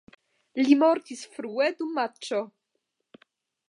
Li mortis frue dum matĉo.